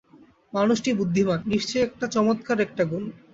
মানুষটি বুদ্ধিমান, নিশ্চয়ই এটা চমৎকার একটা গুণ।